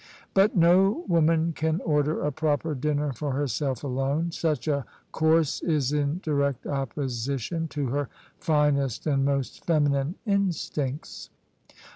But no woman can order a proper dinner for herself alone: such a course is m direct opposition to her finest and most feminine instincts